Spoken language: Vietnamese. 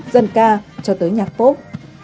dân ca cho tới nhạc pop